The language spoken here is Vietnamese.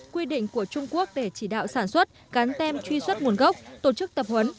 quy định của trung quốc để chỉ đạo sản xuất gắn tem truy xuất nguồn gốc tổ chức tập huấn